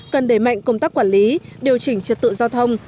cần đẩy mạnh công tác quản lý điều chỉnh trật tự giao thông